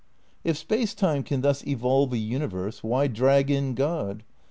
If Space Time can thus evolve a universe, why drag in God?